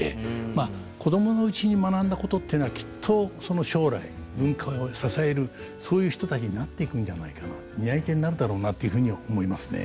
まあ子供のうちに学んだことっていうのはきっとその将来文化を支えるそういう人たちになっていくんじゃないかな担い手になるだろうなというふうに思いますね。